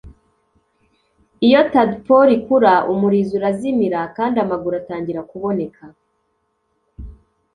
iyo tadpole ikura, umurizo urazimira kandi amaguru atangira kuboneka